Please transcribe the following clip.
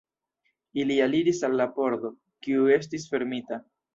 Ili aliris al la pordo, kiu estis fermita.